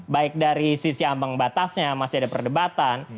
baik dari sisi ambang batasnya masih ada perdebatan